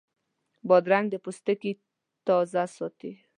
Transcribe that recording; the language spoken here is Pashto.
بادرنګ د پوستکي تازه ساتي.